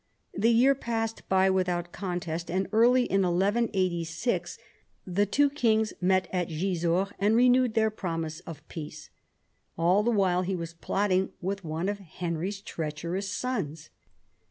The year passed by without contest, and early in 1186 the two kings met at Gisors and renewed their promises of peace. All the while he was plotting with one of Henry's treacherous sons.